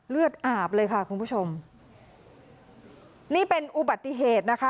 เลือดอาบเลยค่ะคุณผู้ชมนี่เป็นอุบัติเหตุนะคะ